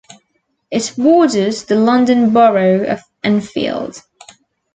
It borders the London Borough of Enfield.